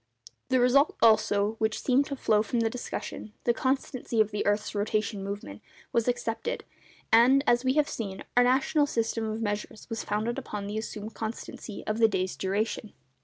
The result, also, which seemed to flow from the discussion—the constancy of the earth's rotation movement—was accepted; and, as we have seen, our national system of measures was founded upon the assumed constancy of the day's duration.